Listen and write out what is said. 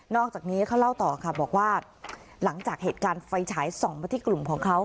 อกจากนี้เขาเล่าต่อค่ะบอกว่าหลังจากเหตุการณ์ไฟฉายส่องมาที่กลุ่มของเขา